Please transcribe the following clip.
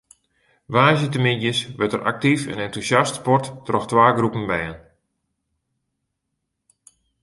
Woansdeitemiddeis wurdt der aktyf en entûsjast sport troch twa groepen bern.